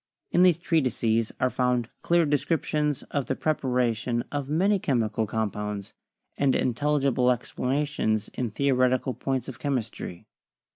In these treatises are found clear descriptions of the prep aration of many chemical compounds, and intelligible ex planations in theoretical points of chemistry.